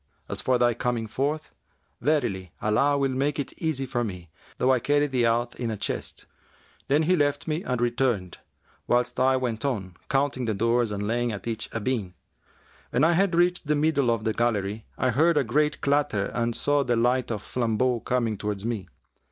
As for thy coming forth, verily Allah will make it easy to me, though I carry thee out in a chest." Then he left me and returned, whilst I went on, counting the doors and laying at each a bean. When I had reached the middle of the gallery, I heard a great clatter and saw the light of flambeaux coming towards me.